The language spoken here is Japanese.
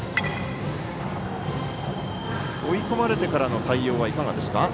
追い込まれてからの対応はいかがですか？